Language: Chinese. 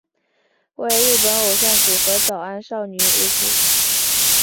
为日本偶像组合早安少女组。